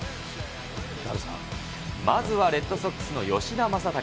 まずはレッドソックスの吉田正尚。